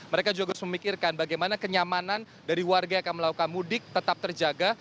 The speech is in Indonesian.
mereka juga harus memikirkan bagaimana kenyamanan dari warga yang akan melakukan mudik tetap terjaga